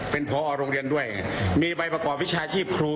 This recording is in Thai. เป็นพอโรงเรียนด้วยมีใบประกอบวิชาชีพครู